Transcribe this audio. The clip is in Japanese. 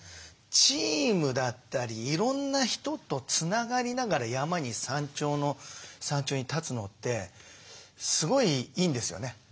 チームだったりいろんな人とつながりながら山に山頂に立つのってすごいいいんですよね。